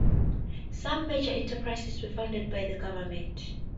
Some major enterprises were founded by the government.